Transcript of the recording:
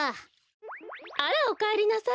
あらおかえりなさい。